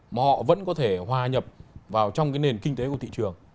mà họ vẫn có thể hòa nhập vào trong cái nền kinh tế của thị trường